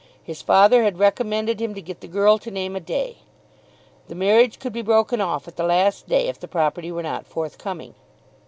His father had recommended him to get the girl to name a day. The marriage could be broken off at the last day if the property were not forthcoming.